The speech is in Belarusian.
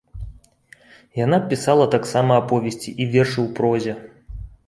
Яна пісала таксама аповесці і вершы ў прозе.